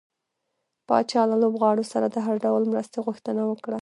پاچا له لوبغاړو سره د هر ډول مرستې غوښتنه وکړه .